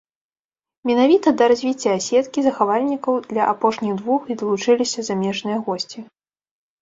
Менавіта да развіцця сеткі захавальнікаў для апошніх двух і далучыліся замежныя госці.